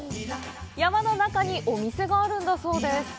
山の中にお店があるんだそうです。